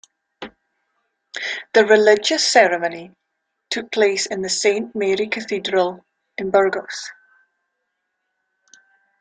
The religious ceremony took place in the Saint Mary Cathedral in Burgos.